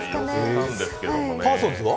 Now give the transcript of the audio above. パーソンズは？